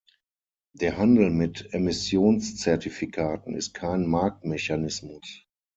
Der Handel mit Emissionszertifikaten ist kein Marktmechanismus.